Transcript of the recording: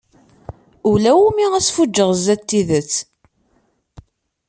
Ulawumi asfuǧǧeɣ zdat tidett.